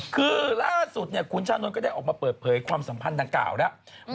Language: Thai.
คือล่าสุดคุณชานนท์ก็ได้ออกมาเปิดเผยความสัมพันธ์ดังกล่าวแล้ว